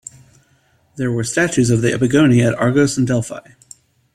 There were statues of the Epigoni at Argos and Delphi.